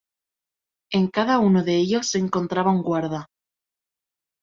En cada uno de ellos se encontraba un Guarda.